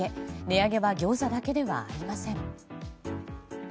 値上げは餃子だけではありません。